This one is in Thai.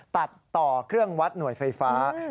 ตัดต่อเครื่องวัดหน่วยไฟฟ้า